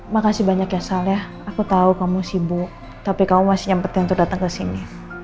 makasih banyak ya saleh aku tau kamu sibuk tapi kamu masih nyempetin untuk datang kesini